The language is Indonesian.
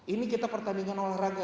ini kita pertandingan olahraga